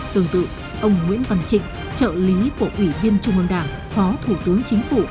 tương tự ông nguyễn văn trịnh trợ lý của ủy viên trung ương đảng phó thủ tướng chính phủ